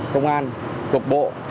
công an cục bộ